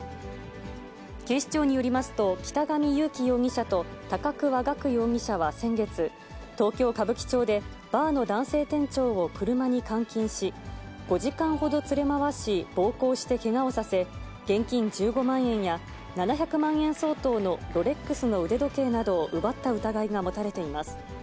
警視庁によりますと、北上優樹容疑者と高桑岳容疑者は先月、東京・歌舞伎町でバーの男性店長を車に監禁し、５時間ほど連れ回し、暴行してけがをさせ、現金１５万円や、７００万円相当のロレックスの腕時計などを奪った疑いが持たれています。